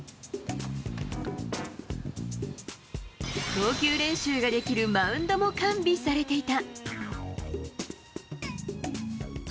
投球練習ができるマウンドも完備されていた。